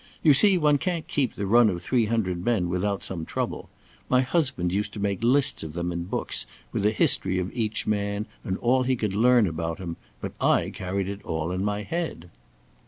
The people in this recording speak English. You see, one can't keep the run of three hundred men without some trouble. My husband used to make lists of them in books with a history of each man and all he could learn about him, but I carried it all in my head."